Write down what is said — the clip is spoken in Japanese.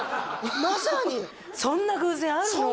まさにそんな偶然あるの？